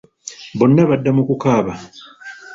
Bonna badda mu kukaaba.